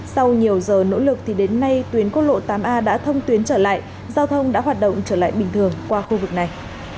sau nhiều giờ nỗ lực thì đến nay tuyến quốc lộ tám a đã thông tuyến trở lại giao thông đã hoạt động trở lại bình thường qua khu vực này